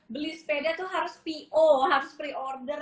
beli sepeda itu harus po harus pre order